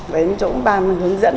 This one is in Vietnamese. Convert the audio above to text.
đấy chỗ bàn hướng dẫn